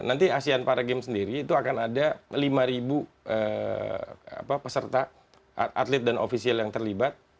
nanti asean para games sendiri itu akan ada lima peserta atlet dan ofisial yang terlibat